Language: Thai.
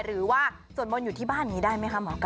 หรือว่าส่วนบนอยู่ที่บ้านนี้ได้ไหมคะหมอกาย